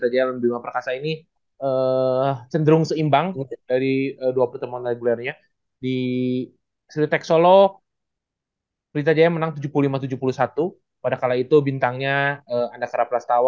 jawab jawabin di akhir